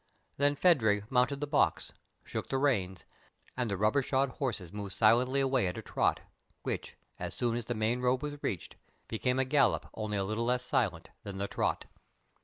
Then Phadrig mounted the box, shook the reins, and the rubber shod horses moved silently away at a trot, which, as soon as the main road was reached, became a gallop only a little less silent than the trot.